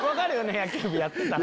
野球部やってたら。